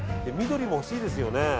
緑も欲しいですよね。